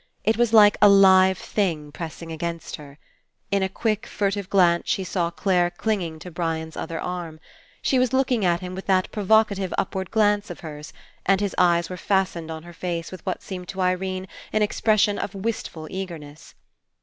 It was like a live thing pressing against her. In a quick furtive glance she saw Clare clinging to Brian's other arm. She was looking at him with that provocative upward glance of hers, and his eyes were fas tened on her face with what seemed to Irene an expression of wistful eagerness.